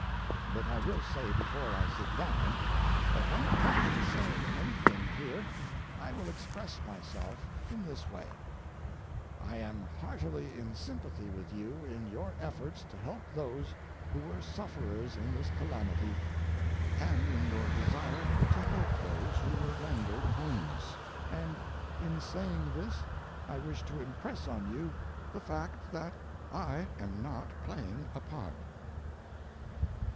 But I will say before I sit down that when it comes to saying anything here I will express myself in this way: I am heartily in sympathy with you in your efforts to help those who were sufferers in this calamity, and in your desire to help those who were rendered homeless, and in saying this I wish to impress on you the fact that I am not playing a part.